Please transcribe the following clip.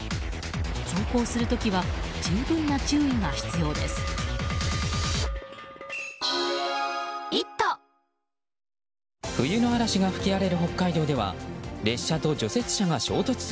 走行する時は十分な注意が必要です。